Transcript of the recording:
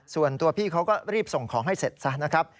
ส่วนตัวพี่เขาก็รีบส่งของให้เสร็จซะนะครับ